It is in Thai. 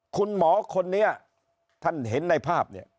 คุณหมอคนนี้ท่านเห็นในภาพเนี่ย